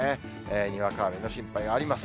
にわか雨の心配があります。